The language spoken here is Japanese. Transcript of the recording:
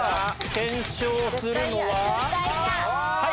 検証するのは。